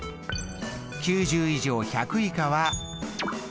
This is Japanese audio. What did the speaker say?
９０以上１００以下は４。